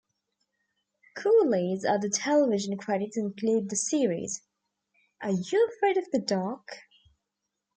Cooley's other television credits include the series, Are You Afraid of the Dark?